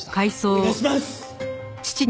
お願いします！